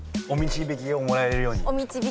おみちびきをもらえるように。